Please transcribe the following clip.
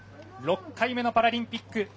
６回目のパラリンピック。